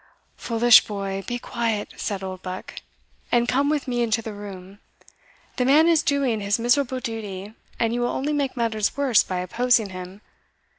"Foolish boy, be quiet," said Oldbuck, "and come with me into the room the man is doing his miserable duty, and you will only make matters worse by opposing him.